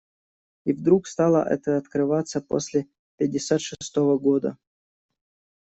И вдруг стало это открываться после пятьдесят шестого года